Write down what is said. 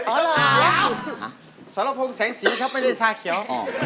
เฏียว